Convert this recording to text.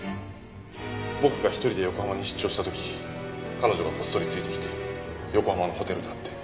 僕が１人で横浜に出張した時彼女がこっそりついてきて横浜のホテルで会って。